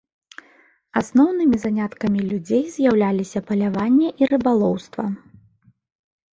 Асноўнымі заняткамі людзей з'яўляліся паляванне і рыбалоўства.